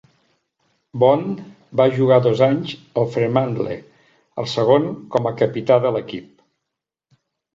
Bond va jugar dos anys al Fremantle, el segon com a capità de l'equip.